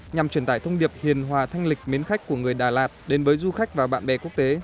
nhằm truyền tải thông điệp hiền hòa thanh lịch mến khách của người đà lạt đến với du khách và bạn bè quốc tế